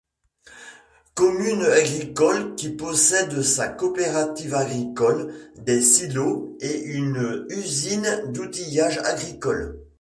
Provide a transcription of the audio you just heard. Commune agricole qui possède sa coopérative agricole, des silos et une usine d'outillage agricole.